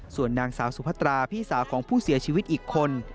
ส่วนนางสาวสุพัตราพี่สาวของผู้เสียชีวิตอีกคน